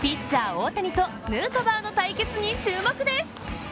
大谷とヌートバーの対決に注目です。